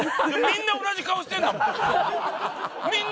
みんな同じ顔してんだもん。